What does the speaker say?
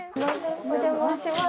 お邪魔します。